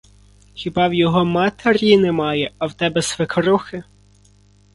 Хіба в його матері немає, а в тебе свекрухи?